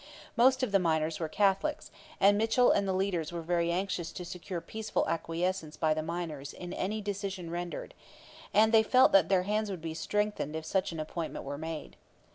Most of the miners were Catholics, and Mitchell and the leaders were very anxious to secure peaceful acquiescence by the miners in any decision rendered, and they felt that their hands would be strengthened if such an appointment were made.